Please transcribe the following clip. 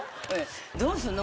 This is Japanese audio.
どうすんの？